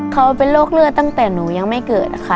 เขาเป็นโรคเลือดตั้งแต่หนูยังไม่เกิดค่ะ